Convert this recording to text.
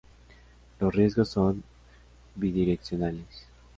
Los riesgos son bidireccionales.